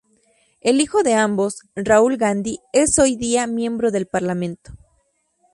El hijo de ambos, Rahul Gandhi, es hoy día miembro del parlamento.